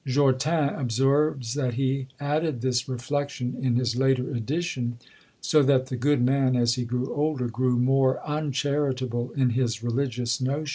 Jortin observes that he added this reflection in his later edition, so that the good man as he grew older grew more uncharitable in his religious notions.